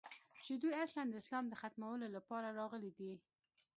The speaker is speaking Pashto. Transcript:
چې دوى اصلاً د اسلام د ختمولو لپاره راغلي دي.